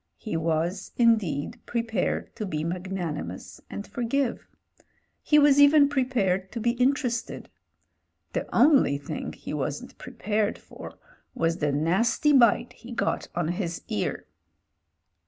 He was, indeed, prepared to be magnani mous and forgive ; he was even prepared to be inter ested ; the only thing he wasn't prepared for was the nasty bite he got on his ear.